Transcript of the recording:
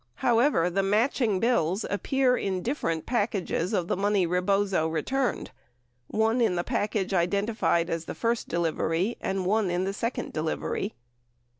However, the matching bills appear in different packages of the money Rebozo returned, one in the package identified as the first delivery and one in the second delivery.